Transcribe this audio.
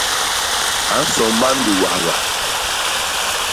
A nso man liwagha.